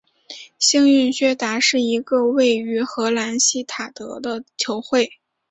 幸运薛达是一个位于荷兰锡塔德的球会。